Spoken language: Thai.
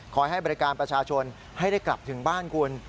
ให้บริการประชาชนให้ได้กลับถึงบ้านคุณ